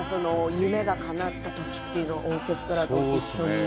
夢がかなった時というのはオーケストラと一緒に。